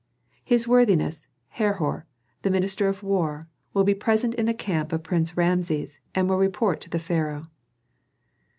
"His worthiness Herhor, the minister of war, will be present in the camp of Prince Rameses, and will report to the pharaoh."